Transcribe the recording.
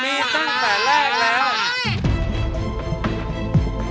มีตั้งแต่แรกแล้ว